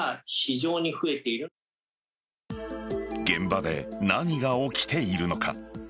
現場で何が起きているのか。